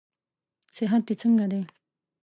صحت دې څنګه دئ؟